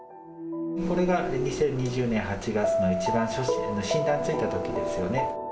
これが２０２０年８月の一番初診、診断ついたときですよね。